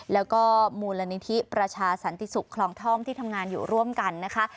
แล้วก็มูลนิธิประชาสันติสุขคลองท่อมที่ทำงานอยู่ร่วมกันนะคะ